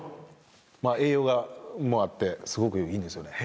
まあ栄養もあってすごくいいんですよね。